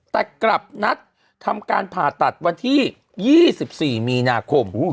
แต่กลับนัดทำการผ่าตัดวันที่๒๔มีนาคม